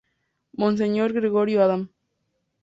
Monseñor Gregorio Adam.